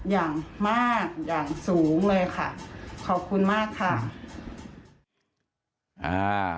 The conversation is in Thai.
อย่างมากอย่างสูงเลยค่ะขอบคุณมากค่ะอ่า